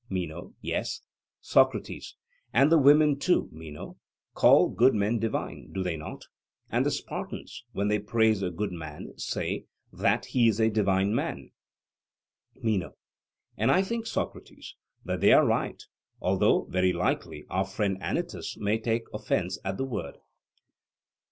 MENO: Yes. SOCRATES: And the women too, Meno, call good men divine do they not? and the Spartans, when they praise a good man, say 'that he is a divine man.' MENO: And I think, Socrates, that they are right; although very likely our friend Anytus may take offence at the word.